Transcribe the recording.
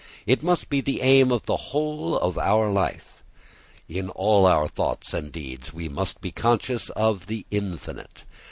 It must be the aim of the whole of our life. In all our thoughts and deeds we must be conscious of the infinite.